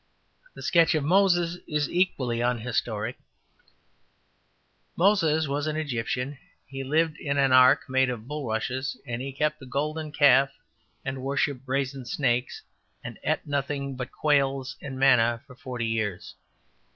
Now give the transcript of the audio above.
'' The sketch of Moses is equally unhistoric: ``Mosses was an Egyptian. He lived in an ark made of bullrushes, and he kept a golden calf and worshipped braizen snakes, and et nothing but kwales and manna for forty years.